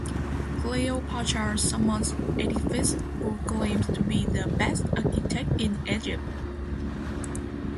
Cleopatra summons Edifis, who claims to be the best architect in Egypt.